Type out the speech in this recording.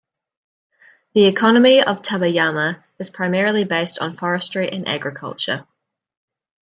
The economy of Tabayama is primarily based on forestry and agriculture.